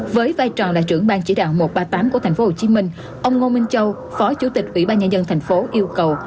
với vai trò là trưởng ban chỉ đạo một trăm ba mươi tám của thành phố hồ chí minh ông ngô minh châu phó chủ tịch ủy ban nhà dân thành phố yêu cầu